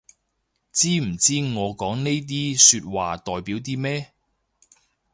知唔知我講呢啲說話代表啲咩